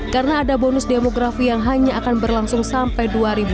karena ada bonus demografi yang hanya akan berlangsung sampai dua ribu tiga puluh delapan